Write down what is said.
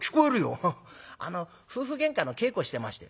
「あの夫婦げんかの稽古してまして」。